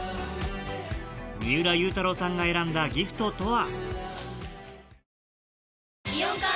三浦祐太朗さんが選んだギフトとは？